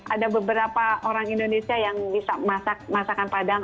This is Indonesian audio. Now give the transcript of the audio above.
ada beberapa orang indonesia yang bisa masak masakan padang